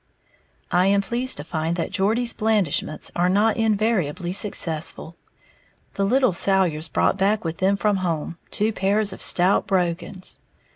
_ I am pleased to find that Geordie's blandishments are not invariably successful. The little Salyers brought back with them from home two pairs of stout brogans.